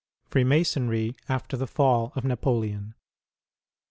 Freemasonry after the Fall of Napoleon.